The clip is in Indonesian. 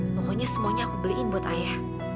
pokoknya semuanya aku beliin buat ayah